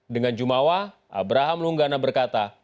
dengan jumawa abraham lunggana berkata